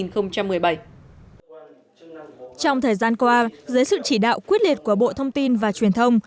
trong thời gian qua dưới sự chỉ đạo quyết liệt của bộ thông tin và truyền thông